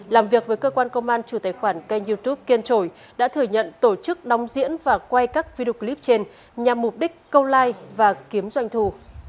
làm việc với cơ quan công an chủ tài khoản kênh youtube kiên trội đã thừa nhận tổ chức đóng diễn và quay các video clip trên nhằm mục đích câu like và kiếm doanh thu